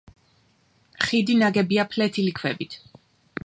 ხიდი ნაგებია ფლეთილი ქვებით.